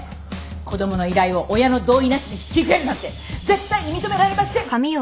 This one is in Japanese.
子供の依頼を親の同意なしに引き受けるなんて絶対に認められません！